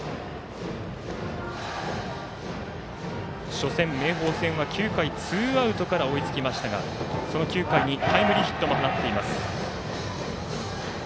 初戦、明豊戦は９回に追いつきましたがその９回にタイムリーヒットも放っています。